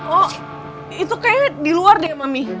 oh itu kayaknya di luar deh mami